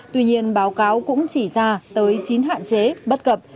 tuy nhiên báo cáo cũng chỉ ra tới chín hạn chế bất cập